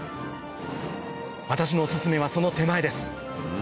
私のお薦めはその手前です